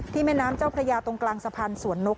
แม่น้ำเจ้าพระยาตรงกลางสะพานสวนนก